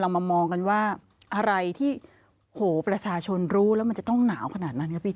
มามองกันว่าอะไรที่โหประชาชนรู้แล้วมันจะต้องหนาวขนาดนั้นครับพี่